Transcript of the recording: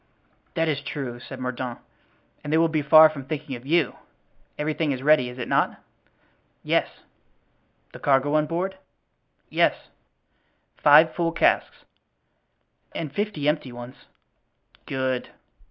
"That is true," said Mordaunt, "and they will be far from thinking of you. Everything is ready, is it not?" "Yes." "The cargo on board?" "Yes." "Five full casks?" "And fifty empty ones." "Good."